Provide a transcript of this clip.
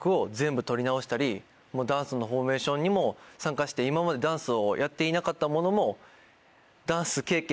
ダンスのフォーメーションにも参加して今までダンスをやっていなかったものも。